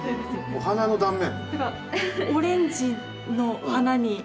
お花の断面？